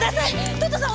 トットさん